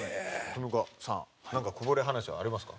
富岡さんなんかこぼれ話はありますか？